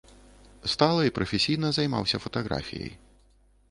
Стала і прафесійна займаўся фатаграфіяй.